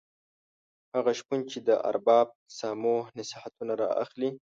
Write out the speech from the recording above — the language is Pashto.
هغه شپون چې د ارباب سامو نصیحتونه را اخلي.